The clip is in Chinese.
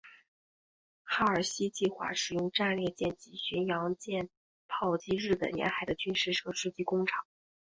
哈尔西计划使用战列舰及巡洋舰炮击日本沿海的军事设施及工厂。